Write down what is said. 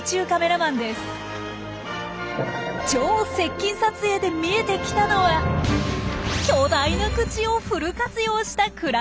超・接近撮影で見えてきたのは巨大な口をフル活用した暮らし。